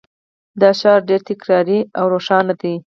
دا شعار ډیر تکراري او روښانه دی